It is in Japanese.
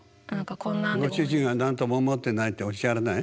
ご主人は何とも思ってないっておっしゃらない？